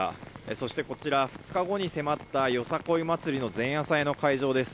そしてこちら、２日後に迫ったよさこい祭りの前夜祭の会場です。